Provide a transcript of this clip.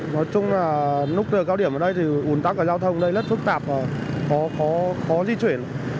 nói chung là lúc cao điểm ở đây thì ồn tắc ở giao thông rất phức tạp và khó di chuyển